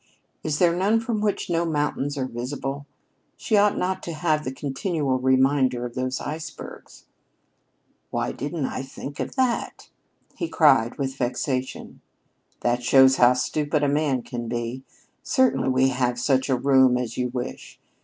Is there none from which no mountains are visible? She ought not to have the continual reminder of those icebergs." "Why didn't I think of that?" he cried with vexation. "That shows how stupid a man can be. Certainly we have such a room as you wish.